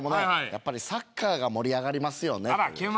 やっぱりサッカーが盛り上がりますよねという。